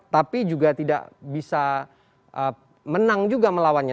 tapi juga tidak bisa menang juga melawannya